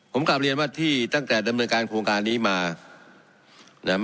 ผมกลับเรียนว่าที่ตั้งแต่ดำเนินการโครงการนี้มานะครับ